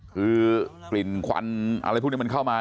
คือกลิ่นควันอะไรพวกนี้มันเข้ามา